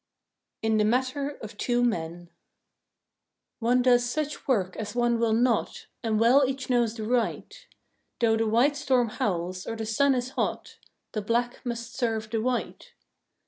IN THE MATTER OF TWO MEN One does such work as one will not, And well each knows the right; Though the white storm howls, or the sun is hot, The black must serve the white.